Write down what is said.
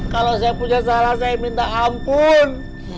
kalau saya punya salah saya minta ampun